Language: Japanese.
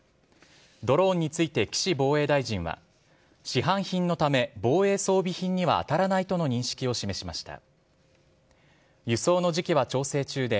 ドローンについて岸防衛大臣は、市販品のため、防衛装備品には当たらないとの認識を示しました。